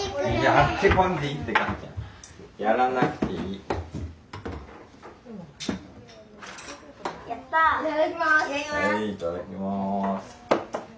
はいいただきます。